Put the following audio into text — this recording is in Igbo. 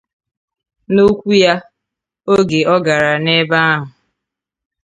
N'okwu ya oge ọ gara n'ebe ahụ